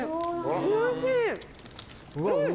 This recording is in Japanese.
おいしい。